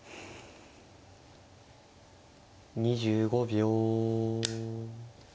２５秒。